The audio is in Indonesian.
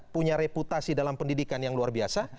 punya reputasi dalam pendidikan yang luar biasa